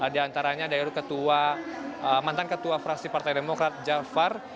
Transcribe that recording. diantaranya dari mantan ketua frasi partai demokrat jafar